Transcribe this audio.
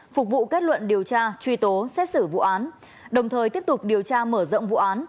phục vụ kết luận điều tra truy tố xét xử vụ án đồng thời tiếp tục điều tra mở rộng vụ án